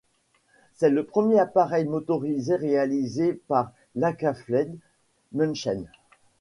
C'est le premier appareil motorisé réalisé par l’Akaflieg München.